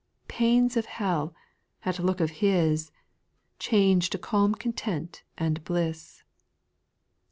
Pains of hell, at look of His, Change to calm content and bliss.